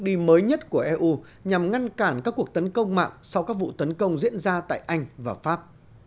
đi mới nhất của eu nhằm ngăn cản các cuộc tấn công mạng sau các vụ tấn công diễn ra tại anh và pháp